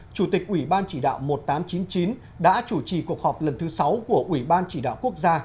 chủ tịch ủy ban chỉ đạo một nghìn tám trăm chín mươi chín đã chủ trì cuộc họp lần thứ sáu của ủy ban chỉ đạo quốc gia